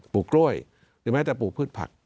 ลูกกล้วยหรือแม้แต่ปลูกพืชผัก